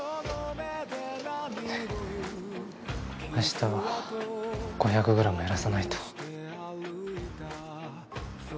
あしたは５００グラム減らさないと。